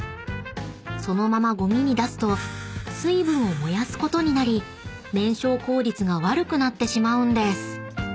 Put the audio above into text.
［そのままゴミに出すと水分を燃やすことになり燃焼効率が悪くなってしまうんです］